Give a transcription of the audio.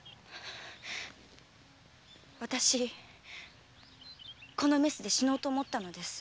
わたしこのメスで死のうと思ったのです。